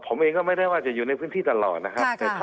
ผมเองก็ไม่ได้ว่าจะอยู่ในพื้นที่ตลอดนะครับ